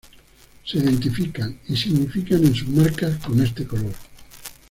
Se identifican, y significan en sus marcas, con este color.